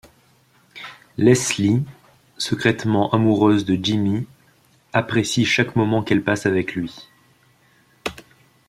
Leslie, secrètement amoureuse de Jimmy, apprécie chaque moment qu'elle passe avec lui.